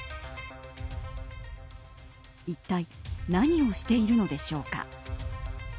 いったい何をしているのでしょうか。